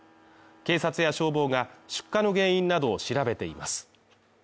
警察や消防が出火の原因などを調べています。